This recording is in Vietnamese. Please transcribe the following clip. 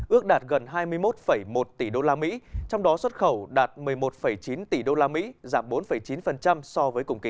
ước đạt gần hai mươi một một tỷ usd trong đó xuất khẩu đạt một mươi một chín tỷ usd giảm bốn chín so với cùng kỳ